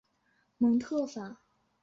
蒙特法。